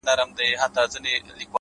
o ځوان د سگريټو تسه کړې قطۍ وغورځول ـ